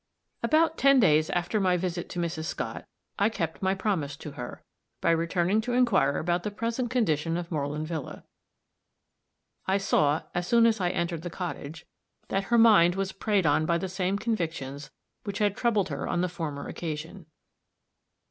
About ten days after my visit to Mrs. Scott, I kept my promise to her, by returning to inquire about the present condition of Moreland villa. I saw, as soon as I entered the cottage, that her mind was preyed on by the same convictions which had troubled her on the former occasion.